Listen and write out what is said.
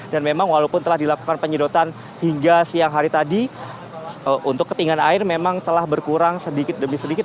dan memang walaupun telah dilakukan penyedotan hingga siang hari tadi untuk ketinggan air memang telah berkurang sedikit demi sedikit